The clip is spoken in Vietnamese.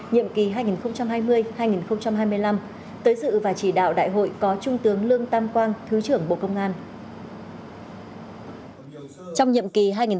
nhiệm kỳ hai nghìn hai mươi hai nghìn hai mươi năm tới dự và chỉ đạo đại hội có trung tướng lương tam quang thứ trưởng bộ công an